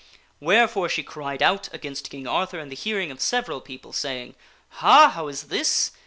Wherefore she cried out against King Arthur in the hearing of several people, saying: "Ha! how is this!